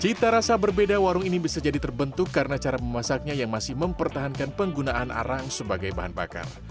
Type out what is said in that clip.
cita rasa berbeda warung ini bisa jadi terbentuk karena cara memasaknya yang masih mempertahankan penggunaan arang sebagai bahan bakar